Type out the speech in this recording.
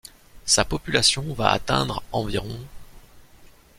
Sa population va atteindre environ.